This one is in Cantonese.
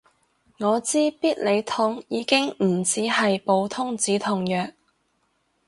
我知必理痛已經唔止係普通止痛藥